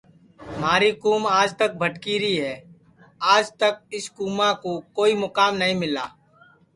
مہاری کُوم آج تک بھٹکی ری ہے آج تک اِس کُوماں کُو کوئی مُکام نائی ملا